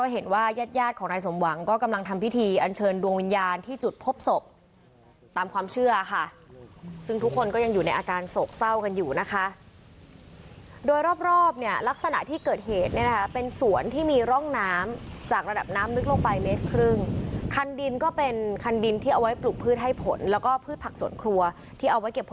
เห็นว่ายาดของนายสมหวังก็กำลังทำพิธีอันเชิญดวงวิญญาณที่จุดพบศพตามความเชื่อค่ะซึ่งทุกคนก็ยังอยู่ในอาการโศกเศร้ากันอยู่นะคะโดยรอบรอบเนี่ยลักษณะที่เกิดเหตุเนี่ยนะคะเป็นสวนที่มีร่องน้ำจากระดับน้ำลึกลงไปเมตรครึ่งคันดินก็เป็นคันดินที่เอาไว้ปลูกพืชให้ผลแล้วก็พืชผักสวนครัวที่เอาไว้เก็บผล